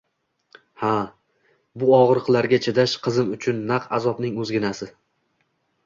Ha, bu og`riqlarga chidash qizim uchun naq azobning o`zginasi